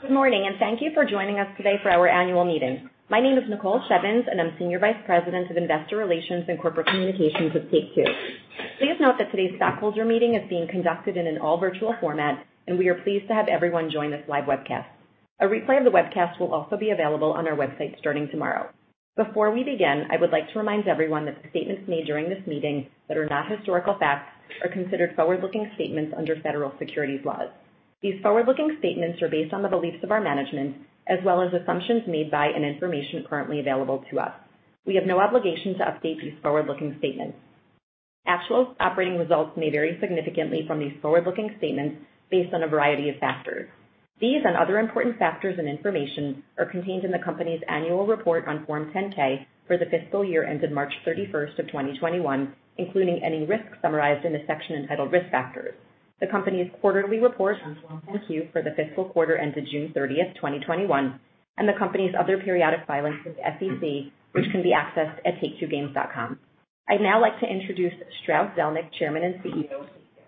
Good morning, and thank you for joining us today for our annual meeting. My name is Nicole Shevins, and I'm Senior Vice President of Investor Relations and Corporate Communications with Take-Two. Please note that today's stockholder meeting is being conducted in an all virtual format, and we are pleased to have everyone join this live webcast. A replay of the webcast will also be available on our website starting tomorrow. Before we begin, I would like to remind everyone that the statements made during this meeting that are not historical facts are considered forward-looking statements under federal securities laws. These forward-looking statements are based on the beliefs of our management as well as assumptions made by and information currently available to us. We have no obligation to update these forward-looking statements. Actual operating results may vary significantly from these forward-looking statements based on a variety of factors. These and other important factors and information are contained in the company's annual report on Form 10-K for the fiscal year ended March 31st of 2021, including any risks summarized in the section entitled Risk Factors. The company's quarterly report on Form 10-Q for the fiscal quarter ended June 30th, 2021, and the company's other periodic filings with the SEC, which can be accessed at take2games.com. I'd now like to introduce Strauss Zelnick, Chairman and CEO of Take-Two.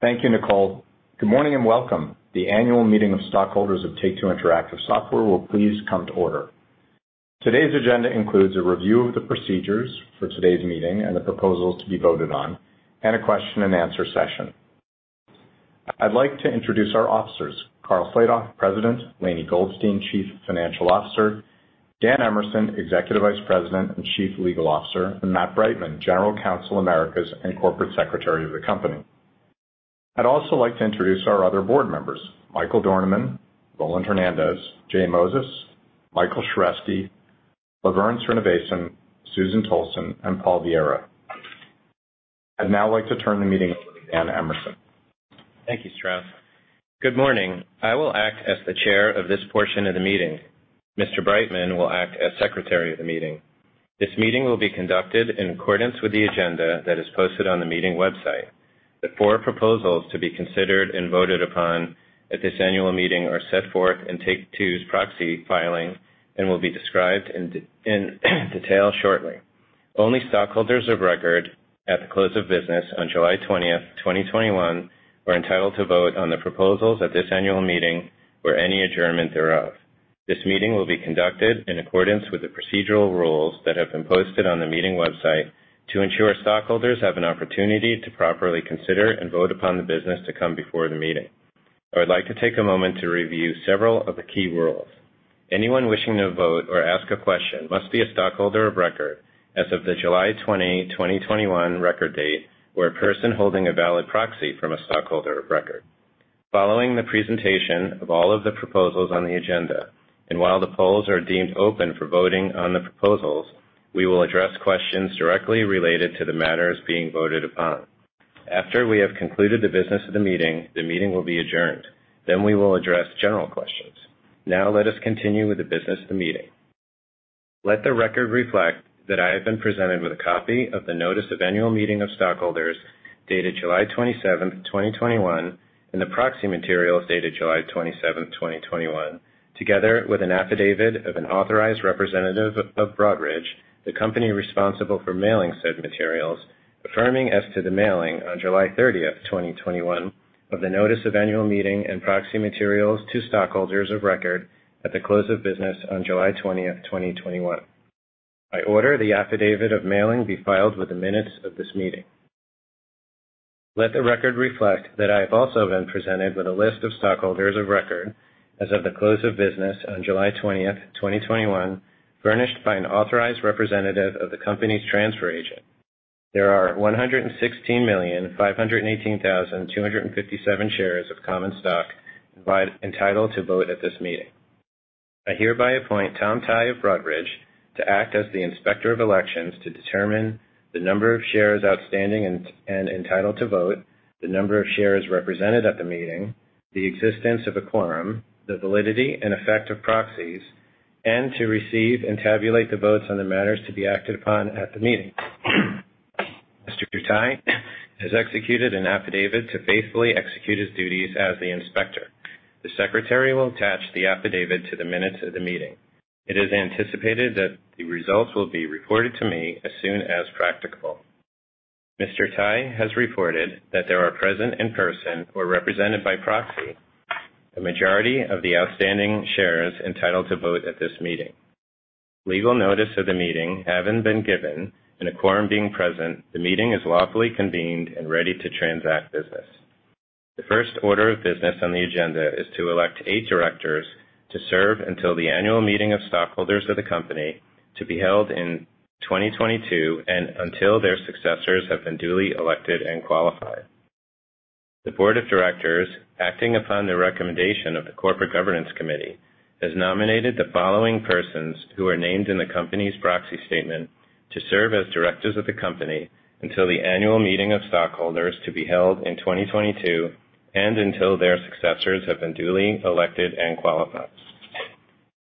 Thank you, Nicole. Good morning, and welcome. The annual meeting of stockholders of Take-Two Interactive Software will please come to order. Today's agenda includes a review of the procedures for today's meeting and the proposals to be voted on, and a question and answer session. I'd like to introduce our officers, Karl Slatoff, President, Lainie Goldstein, Chief Financial Officer, Daniel Emerson, Executive Vice President and Chief Legal Officer, and Matthew Breitman, General Counsel Americas and Corporate Secretary of the company. I'd also like to introduce our other board members, Michael Dornemann, Roland Hernandez, J Moses, Michael Sheresky, LaVerne Srinivasan, Susan Tolson, and Paul Viera. I'd now like to turn the meeting over to Daniel Emerson. Thank you, Strauss. Good morning. I will act as the chair of this portion of the meeting. Mr. Breitman will act as Secretary of the meeting. This meeting will be conducted in accordance with the agenda that is posted on the meeting website. The four proposals to be considered and voted upon at this annual meeting are set forth in Take-Two's proxy filing and will be described in detail shortly. Only stockholders of record at the close of business on July 20th, 2021, were entitled to vote on the proposals at this annual meeting or any adjournment thereof. This meeting will be conducted in accordance with the procedural rules that have been posted on the meeting website to ensure stockholders have an opportunity to properly consider and vote upon the business to come before the meeting. I would like to take a moment to review several of the key rules. Anyone wishing to vote or ask a question must be a stockholder of record as of the July 20, 2021 record date, or a person holding a valid proxy from a stockholder of record. Following the presentation of all of the proposals on the agenda, and while the polls are deemed open for voting on the proposals, we will address questions directly related to the matters being voted upon. After we have concluded the business of the meeting, the meeting will be adjourned. We will address general questions. Now let us continue with the business of the meeting. Let the record reflect that I have been presented with a copy of the Notice of Annual Meeting of Stockholders dated July 27th, 2021, and the proxy materials dated July 27th, 2021, together with an affidavit of an authorized representative of Broadridge, the company responsible for mailing said materials, affirming as to the mailing on July 30th, 2021, of the Notice of Annual Meeting and proxy materials to stockholders of record at the close of business on July 20th, 2021. I order the affidavit of mailing be filed with the minutes of this meeting. Let the record reflect that I have also been presented with a list of stockholders of record as of the close of business on July 20th, 2021, furnished by an authorized representative of the company's transfer agent. There are 116,518,257 shares of common stock entitled to vote at this meeting. I hereby appoint Tom Tighe of Broadridge to act as the Inspector of Elections to determine the number of shares outstanding and entitled to vote, the number of shares represented at the meeting, the existence of a quorum, the validity and effect of proxies, and to receive and tabulate the votes on the matters to be acted upon at the meeting. Mr. Tighe has executed an affidavit to faithfully execute his duties as the inspector. The secretary will attach the affidavit to the minutes of the meeting. It is anticipated that the results will be reported to me as soon as practicable. Mr. Tighe has reported that there are present in person or represented by proxy, a majority of the outstanding shares entitled to vote at this meeting. Legal notice of the meeting having been given, and a quorum being present, the meeting is lawfully convened and ready to transact business. The first order of business on the agenda is to elect eight directors to serve until the annual meeting of stockholders of the company to be held in 2022 and until their successors have been duly elected and qualified. The board of directors, acting upon the recommendation of the Corporate Governance Committee, has nominated the following persons who are named in the company's proxy statement to serve as directors of the company until the annual meeting of stockholders to be held in 2022 and until their successors have been duly elected and qualified.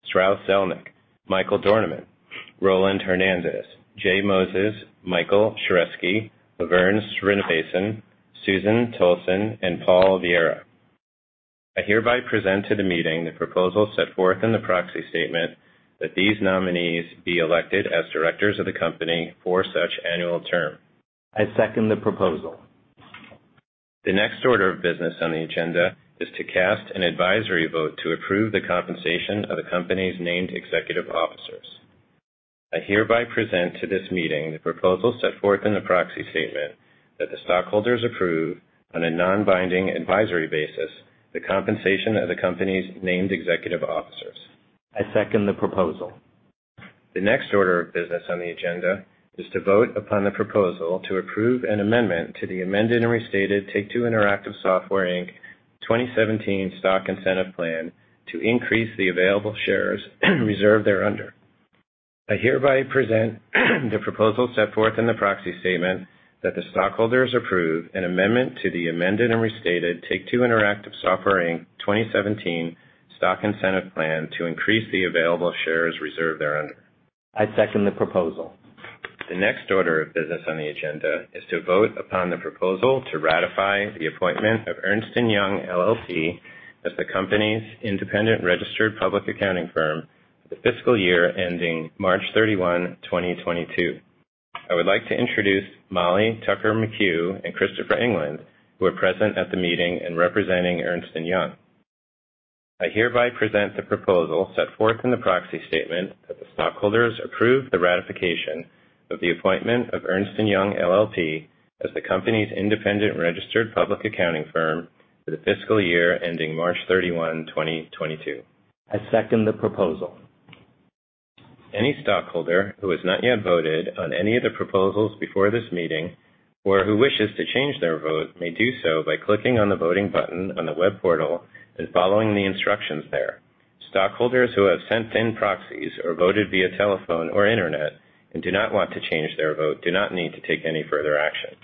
Strauss Zelnick, Michael Dornemann, Roland Hernandez, J Moses, Michael Sheresky, LaVerne Srinivasan, Susan Tolson, and Paul Viera. I hereby present to the meeting the proposal set forth in the proxy statement that these nominees be elected as directors of the company for such annual term. I second the proposal. The next order of business on the agenda is to cast an advisory vote to approve the compensation of the company's named executive officers. I hereby present to this meeting the proposal set forth in the proxy statement that the stockholders approve, on a non-binding advisory basis, the compensation of the company's named executive officers. I second the proposal. The next order of business on the agenda is to vote upon the proposal to approve an amendment to the Amended and restated Take-Two Interactive Software, Inc. 2017 Stock Incentive Plan to increase the available shares reserved thereunder. I hereby present the proposal set forth in the proxy statement that the stockholders approve an amendment to the Amended and Restated Take-Two Interactive Software, Inc. 2017 Stock Incentive Plan to increase the available shares reserved thereunder. I second the proposal. The next order of business on the agenda is to vote upon the proposal to ratify the appointment of Ernst & Young LLP as the company's independent registered public accounting firm for the fiscal year ending March 31st, 2022. I would like to introduce Molly Tucker McCue and Christopher England, who are present at the meeting and representing Ernst & Young. I hereby present the proposal set forth in the proxy statement that the stockholders approve the ratification of the appointment of Ernst & Young LLP as the company's independent registered public accounting firm for the fiscal year ending March 31st, 2022. I second the proposal. Any stockholder who has not yet voted on any of the proposals before this meeting, or who wishes to change their vote, may do so by clicking on the voting button on the web portal and following the instructions there. Stockholders who have sent in proxies or voted via telephone or internet and do not want to change their vote do not need to take any further action.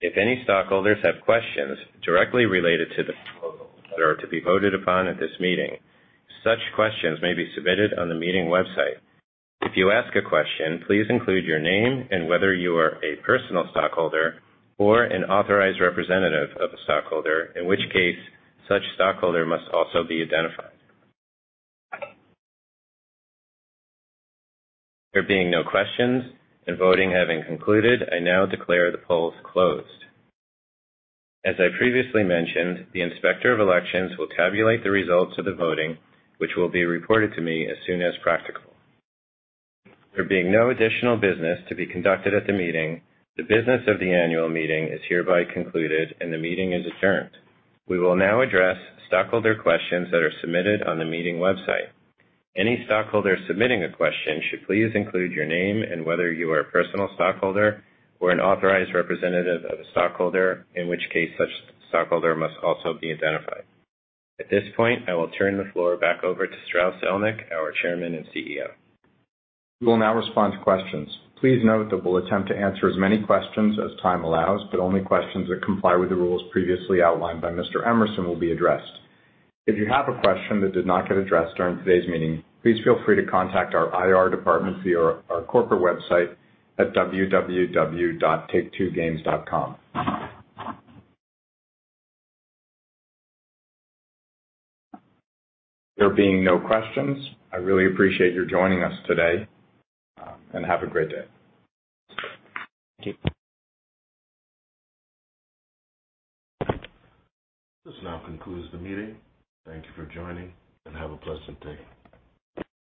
If any stockholders have questions directly related to the proposals that are to be voted upon at this meeting, such questions may be submitted on the meeting website. If you ask a question, please include your name and whether you are a personal stockholder or an authorized representative of a stockholder, in which case such stockholder must also be identified. There being no questions, and voting having concluded, I now declare the polls closed. As I previously mentioned, the Inspector of Elections will tabulate the results of the voting, which will be reported to me as soon as practical. There being no additional business to be conducted at the meeting, the business of the annual meeting is hereby concluded, and the meeting is adjourned. We will now address stockholder questions that are submitted on the meeting website. Any stockholder submitting a question should please include your name and whether you are a personal stockholder or an authorized representative of a stockholder, in which case such stockholder must also be identified. At this point, I will turn the floor back over to Strauss Zelnick, our Chairman and CEO. We will now respond to questions. Please note that we'll attempt to answer as many questions as time allows, but only questions that comply with the rules previously outlined by Mr. Emerson will be addressed. If you have a question that did not get addressed during today's meeting, please feel free to contact our IR department via our corporate website at www.take2games.com. There being no questions, I really appreciate your joining us today, and have a great day. Thank you. This now concludes the meeting. Thank you for joining, and have a pleasant day.